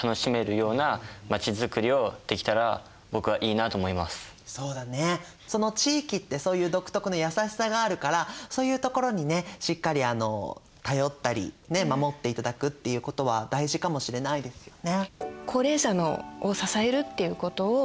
そうだねその「地域」ってそういう独特の優しさがあるからそういうところにねしっかり頼ったり守っていただくっていうことは大事かもしれないですよね。